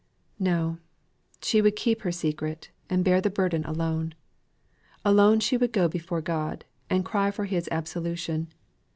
No; she would keep her secret, and bear the burden alone. Alone she would go before God, and cry for His absolution.